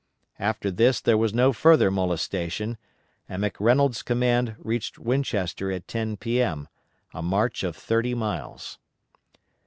After this there was no further molestation, and McReynolds' command reached Winchester at 10 P.M. a march of thirty miles.